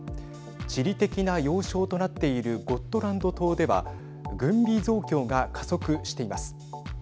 地理的な要衝となっているゴットランド島では軍備増強が加速しています。